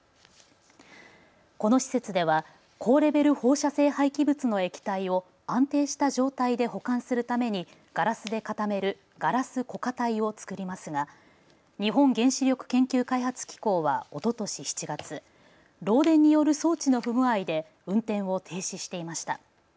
この施設では高レベル放射性廃棄物の液体を安定した状態で保管するためにガラスで固めるガラス固化体を作りますが日本原子力研究開発機構はおととし７月、漏電による装置の不具合で運転を停止していました。